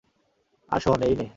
আর শোন এই নে।